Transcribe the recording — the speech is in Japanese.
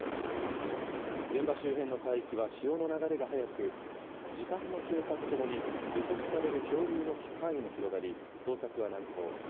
現場周辺の海域は潮の流れが速く、時間の経過とともに予測される漂流の範囲も広がり、捜索は難航。